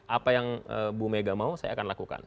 apa yang bu mega mau saya akan lakukan